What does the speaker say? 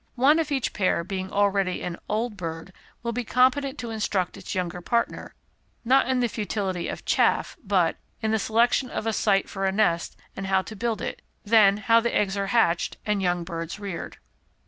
One of each pair being already an 'old bird,' will be competent to instruct its younger partner (not only in the futility of 'chaff,' but) in the selection of a site for a nest and how to build it; then, how eggs are hatched and young birds reared.